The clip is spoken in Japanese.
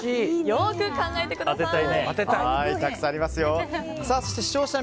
よく考えてください。